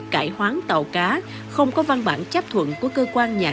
cải hoáng tàu cá